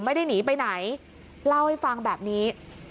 ไม่ได้หนีไปไหนเล่าให้ฟังแบบนี้